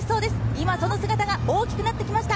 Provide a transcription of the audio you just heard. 今その姿が大きくなってきました。